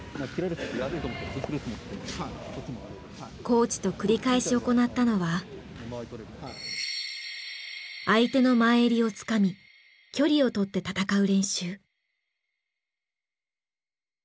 コーチと繰り返し行ったのは相手の前襟をつかみ距離をとって戦う練習。